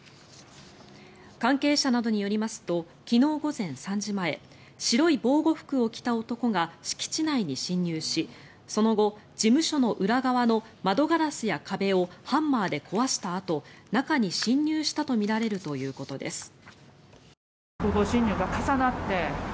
関係者などによりますと昨日午前３時前白い防護服を着た男が敷地内に侵入しその後、事務所の裏側の窓ガラスや壁をハンマーで壊したあと中に侵入したとみられるということです。